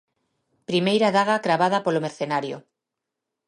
Primeira daga cravada polo mercenario.